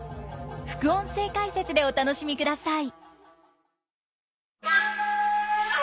副音声解説でお楽しみください。